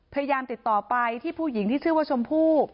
พยายามติดต่อไปที่ผู้หญิงที่ชื่อว่าชมพู่